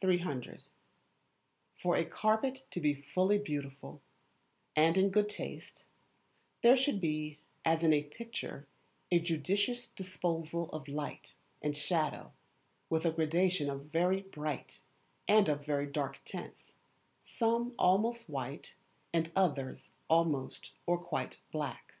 300. For a Carpet to be really Beautiful and in good taste, there should be, as in a picture, a judicious disposal of light and shadow, with a gradation of very bright and of very dark tints; some almost white, and others almost or quite black.